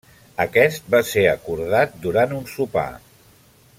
Aquest va ser acordat durant un sopar.